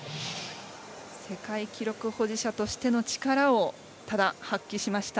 世界記録保持者としての力ただ発揮しました。